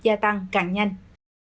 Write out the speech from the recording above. gia tăng càng nhanh